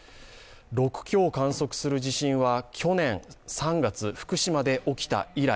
６強を観測する地震は去年３月福島で起きた以来。